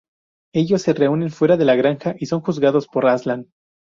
Ellos se reúnen fuera de la granja y son juzgados por Aslan.